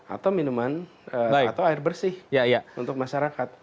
atau air bersih untuk masyarakat